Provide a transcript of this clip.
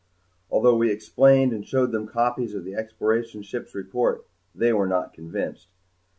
Although we explained and showed them copies of the exploration ship's report, they were not convinced.